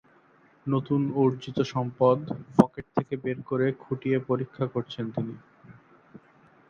নতুন অর্জিত সম্পদ পকেট থেকে বের করে খুঁটিয়ে পরীক্ষা করছেন তিনি।